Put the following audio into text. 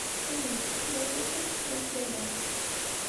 Ur yessefk ara akk ad tettumt aya.